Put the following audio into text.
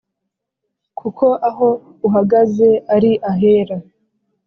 kuko aho uhagaze ari ahera